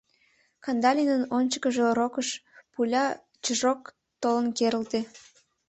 Кандалинын ончыкыжо рокыш пуля чжок толын керылте.